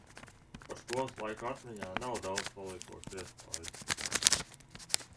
Par skolas laiku atmiņā nav daudz paliekošu iespaidu.